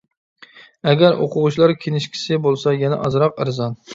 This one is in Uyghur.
ئەگەر ئوقۇغۇچىلار كىنىشكىسى بولسا يەنە ئازراق ئەرزان.